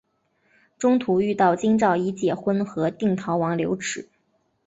中途遇到京兆尹解恽和定陶王刘祉。